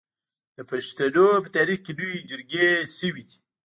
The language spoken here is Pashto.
د پښتنو په تاریخ کې لویې جرګې شوي دي.